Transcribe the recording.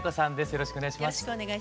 よろしくお願いします。